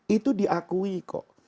itu diakui kok